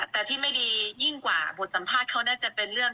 แต่ที่ไม่ดียิ่งกว่าบทสัมภาษณ์เขาน่าจะเป็นเรื่อง